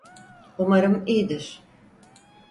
Umarım iyidir.